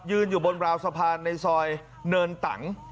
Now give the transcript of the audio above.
อยู่บนราวสะพานในซอยเนินตัง